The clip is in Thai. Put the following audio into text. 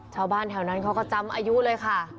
ชาวบ้านแถวนั้นเขาก็จำอายุเลยค่ะ